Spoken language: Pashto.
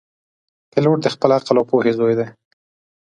پیلوټ د خپل عقل او پوهې زوی دی.